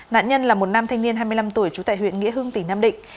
nạn nhân là một nam thanh niên hai mươi năm tuổi trú tại huyện nghĩa hương tỉnh nam định